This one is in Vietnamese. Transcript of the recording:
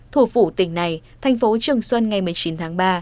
thủ phủ tỉnh này thành phố trường xuân ngày một mươi chín tháng ba